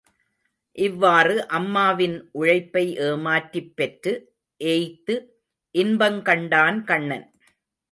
இவ்வாறு அம்மாவின் உழைப்பை ஏமாற்றிப் பெற்று, ஏய்த்து இன்பங்கண்டான் கண்ணன்.